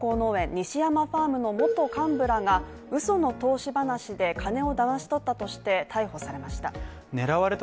西山ファームの元幹部らがうその投資話で金をだまし取ったとして逮捕されました。